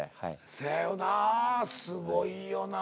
せやよなすごいよな。